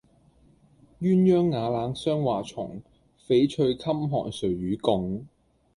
鴛鴦瓦冷霜華重，翡翠衾寒誰與共？